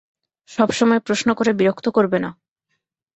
সবসময় প্রশ্ন করে বিরক্ত করবে না।